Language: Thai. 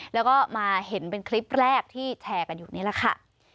แล้วก็มาเห็นเป็นคลิปแรกที่แชร์กันอยู่นี่แหละค่ะ